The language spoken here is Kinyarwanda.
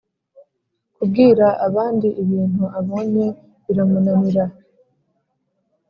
kubwira abandi ibintu abonye biramunanira,